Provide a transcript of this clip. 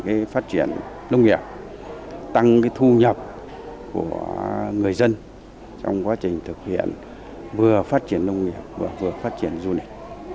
tăng cái thu nhập của người dân trong quá trình thực hiện vừa phát triển nông nghiệp và vừa phát triển du lịch